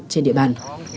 trên địa bàn